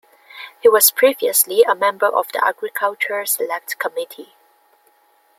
He was previously a member of the Agriculture Select Committee.